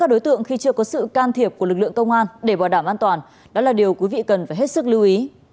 các đối tượng khi chưa có sự can thiệp của lực lượng công an để bảo đảm an toàn đó là điều quý vị cần phải hết sức lưu ý